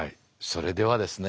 それではですね